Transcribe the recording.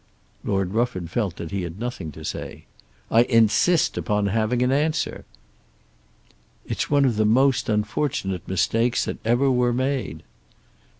Lord Rufford felt that he had nothing to say. "I insist upon having an answer." "It's one of the most unfortunate mistakes that ever were made."